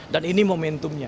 dan ini momentumnya